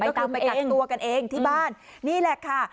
ตามไปกักตัวกันเองที่บ้านนี่แหละค่ะ